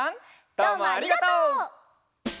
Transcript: どうもありがとう。